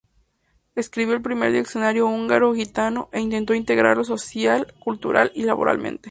Escribió el primer diccionario húngaro-gitano, e intentó integrarlos social, cultural y laboralmente.